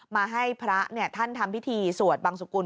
มาให้พระท่านทำพิธีสวดบังสุกุล